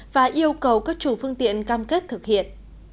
và yêu cầu các chủ phương tiện cam kết thực hiện